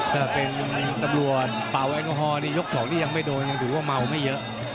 ถ้าเป็นตำรวจเป่าแอลกอฮอลในยก๒นี่ยังไม่โดนยังถือว่าเมาไม่เยอะ